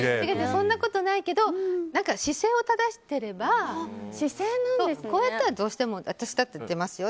そんなことないけど姿勢を正してればこうやったらどうしても私だって出ますよ。